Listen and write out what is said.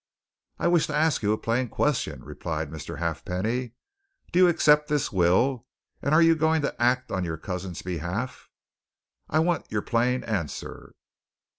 "I wish to ask you a plain question," replied Mr. Halfpenny. "Do you accept this will, and are you going to act on your cousin's behalf? I want your plain answer."